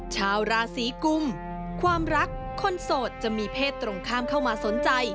ชาวราศีกุมความรักคนโสดจะมีเพศตรงข้ามเข้ามาสนใจ